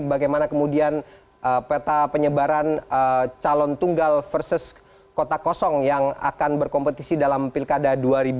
bagaimana kemudian peta penyebaran calon tunggal versus kota kosong yang akan berkompetisi dalam pilkada dua ribu dua puluh